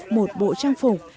một bộ trang phục